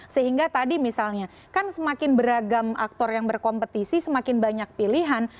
sehingga tadi misalnya kan semakin beragam aktor yang berkompetisi semakin banyak pilihan